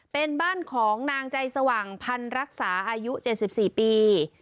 เป็นบ้านของนางใจสว่างพันรักษาอายุ๗๔ปี